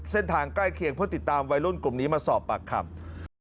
เส้นทางใกล้เคียงเพื่อติดตามวัยรุ่นกลุ่มนี้มาสอบปากคำ